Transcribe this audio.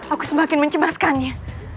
aku semakin mencemaskannya